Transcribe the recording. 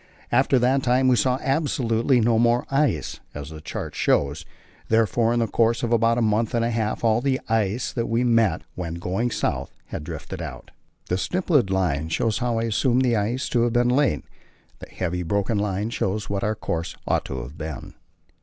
After that time we saw absolutely no more ice, as the chart shows; therefore in the course of about a month and a half all the ice that we met when going south had drifted out. The stippled line shows how I assume the ice to have lain; the heavy broken line shows what our course ought to have been.